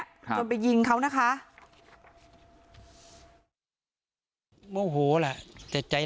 กลายเป็นครอบครัวใหม่